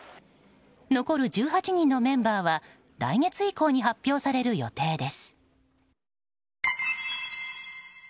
残る１８人のメンバーは来月以降に発表される予定です。